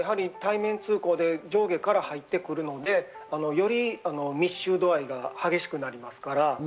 対面通行で上下から入ってくるので、より密集度合いが激しくなります。